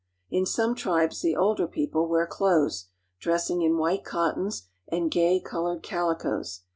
In some tribes the older people wear clothes, dressing in white cottons and gay colored calicoes.